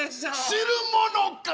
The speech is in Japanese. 知るものか。